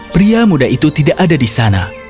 pria muda itu tidak ada di sana